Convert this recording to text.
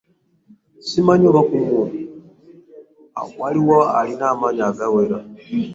Simanyi oba kumwe waliwo alina amanyi agawera.